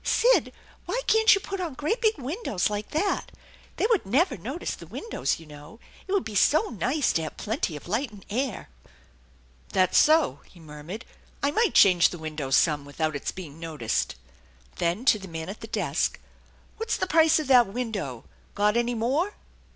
" Sid, why can't you put on great big windows like that ? They would never notice the windows, you know. It would be so nice to have plenty of light and air." " That's so/' he murmured. " I might change the windows some without its being noticed." Then to the man at the desk: " What's the price of that window f Got any more